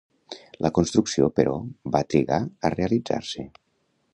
La construcció, però, va trigar a realitzar-se.